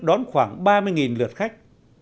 đón khoảng ba mươi lượt khách